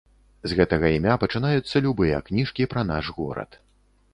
З гэтага імя пачынаюцца любыя кніжкі пра наш горад.